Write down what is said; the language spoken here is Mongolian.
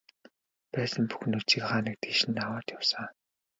Байсан бүх нөөцийг хаа нэг тийш нь аваад явсан.